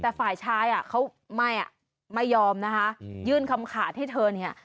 แต่ฝ่ายชายอ่ะเขาไม่อ่ะไม่ยอมนะคะยื่นคำขาดให้เธอเนี่ย